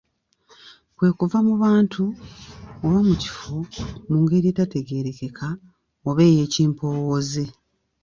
Kwe kuva mu bantu oba mu kifo mu ngeri etategeerekeka oba ey’ekimpoowooze.